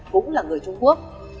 cũng là người trung quốc